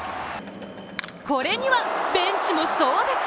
これにはベンチも総立ち！